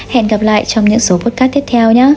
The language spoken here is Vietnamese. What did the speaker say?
hẹn gặp lại trong những số podcast tiếp theo nhé